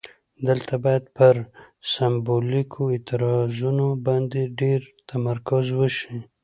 دلته باید پر سمبولیکو اعتراضونو باندې ډیر تمرکز وشي.